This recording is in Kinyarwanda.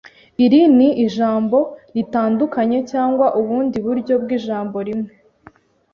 Iri ni ijambo ritandukanye cyangwa ubundi buryo bwijambo rimwe?